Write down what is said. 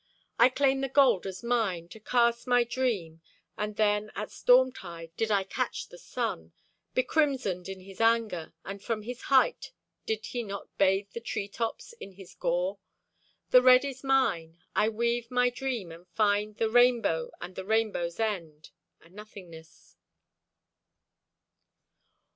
I claim the gold as mine, to cast my dream. And then at stormtide did I catch the sun, Becrimsoned in his anger; and from his height Did he not bathe the treetops in his gore? The red is mine. I weave my dream and find The rainbow, and the rainbow's end—a nothingness.